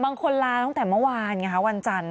บางคนลาตั้งแต่เมื่อวานไงคะวันจันทร์